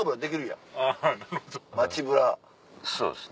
そうですね。